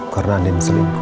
karena andi menselingkuh